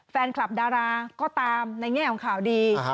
แฟนคลับดาราก็ตามในแง่ของข่าวดี